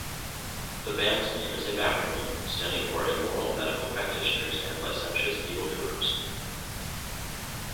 The band's name is a backronym, standing for "Immoral Medical Practitioners And Licentious Evil-Doers".